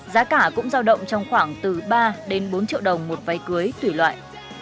giá cả cũng giao động trong khoảng từ ba đến bốn triệu đồng một váy cưới tùy loại